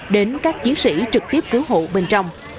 đến các chiến sĩ trực tiếp cứu hộ bên trong